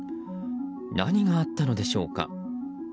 何があったのでしょうか？